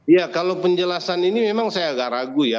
ya kalau penjelasan ini memang saya agak ragu ya